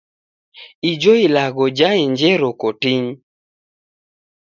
Ijo ilagho jaenjero kotinyi.